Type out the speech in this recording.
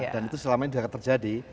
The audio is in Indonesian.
dan itu selama ini sudah terjadi